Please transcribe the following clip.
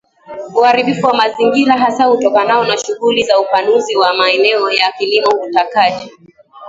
Uharibifu wa mazingira hasa utokanao na shughuli za upanuzi wa maeneo ya kilimo ukataji